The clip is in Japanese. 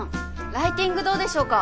ライティングどうでしょうか？